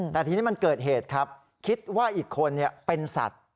แต่ทีนี้มันเกิดเหตุครับคิดว่าอีกคนเป็นสัตว์